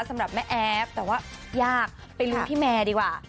สำหรับแม่แอฟแต่ว่ายากไปลุ้นพี่แมร์ดีกว่า